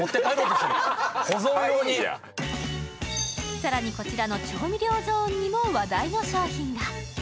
更に、こちらの調味料ゾーンにも話題の商品が。